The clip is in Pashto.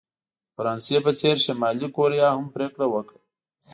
د فرانسې په څېر شلي کوریا هم پرېکړه وکړه.